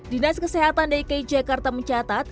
dinas kesehatan dki jakarta mencatat